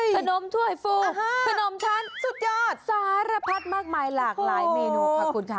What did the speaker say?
ถ้วยฟูขนมชั้นสุดยอดสารพัดมากมายหลากหลายเมนูขอบคุณค่ะ